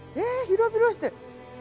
広々して。